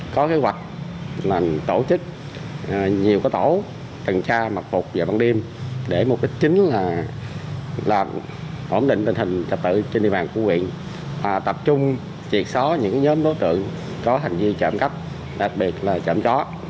công an huyện lai vung cũng đã tăng cường mật phục ban đêm tập trung triệt xóa nhóm đối tượng có hành vi trộm cấp đặc biệt là trộm chó